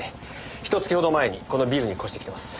ひと月ほど前にこのビルに越してきています。